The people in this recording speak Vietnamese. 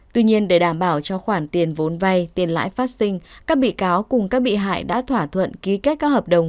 tuy nhiên để đảm bảo cho khoản tiền vốn vay tiền lãi phát sinh các bị cáo cùng các bị hại đã thỏa thuận ký kết các hợp đồng